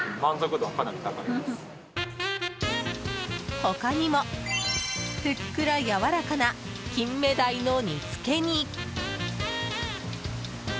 他にも、ふっくらやわらかな金目鯛の煮つけに。